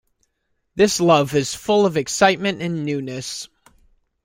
This love is full of excitement and newness.